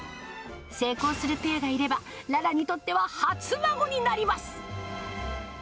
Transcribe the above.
成功するペアがいれば、ララにとっては初孫になります。